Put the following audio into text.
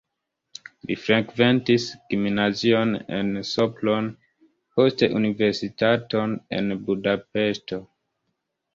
Li frekventis gimnazion en Sopron, poste universitaton en Budapeŝto.